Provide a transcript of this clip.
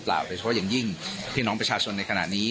เพราะว่ายังยิ่งที่น้องประชาชนในขณะนี้